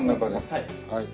はい。